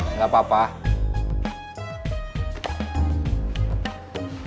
mau irish defense atau apa sih ya